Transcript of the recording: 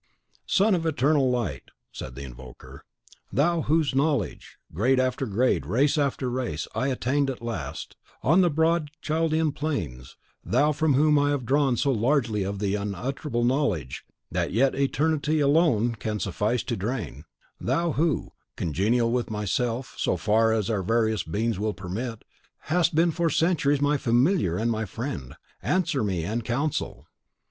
"Son of Eternal Light," said the invoker, "thou to whose knowledge, grade after grade, race after race, I attained at last, on the broad Chaldean plains; thou from whom I have drawn so largely of the unutterable knowledge that yet eternity alone can suffice to drain; thou who, congenial with myself, so far as our various beings will permit, hast been for centuries my familiar and my friend, answer me and counsel!"